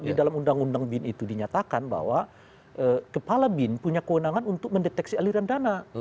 di dalam undang undang bin itu dinyatakan bahwa kepala bin punya kewenangan untuk mendeteksi aliran dana